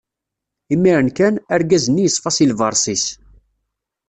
Imiren kan, argaz-nni yeṣfa si lberṣ-is.